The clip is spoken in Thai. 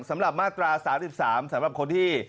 สำหรับมาตรา๓๓สำหรับคนที่